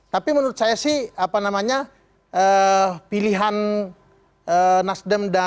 tapi menurut saya sih apa namanya pilihan nasdem dan